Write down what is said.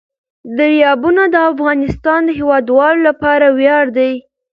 دریابونه د افغانستان د هیوادوالو لپاره ویاړ دی.